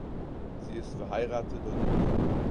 Sie ist verheiratet und Mutter.